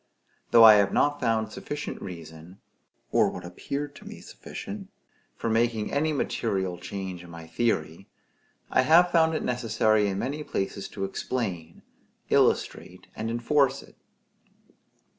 Though I have not found sufficient reason, or what appeared to me sufficient, for making any material change in my theory, I have found it necessary in many places to explain, illustrate, and enforce it.